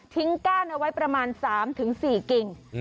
ก้านเอาไว้ประมาณ๓๔กิ่ง